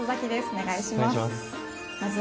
お願いします。